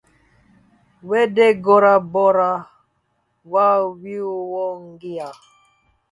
W'edeghora bora w'aw'ew'ongia.